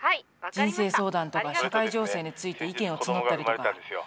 人生相談とか社会情勢について意見を募ったりとか。